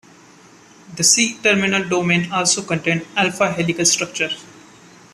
The C-terminal domain also contains alpha-helical structure.